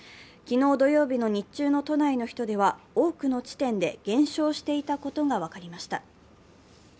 昨日土曜日の日中の都内の人出は多くの地点で減少していたことが分かりました。